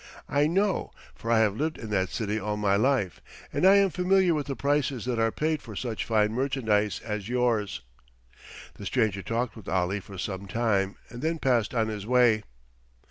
I know, for I have lived in that city all my life, and I am familiar with the prices that are paid for such fine merchandise as yours." The stranger talked with Ali for some time and then passed on his way.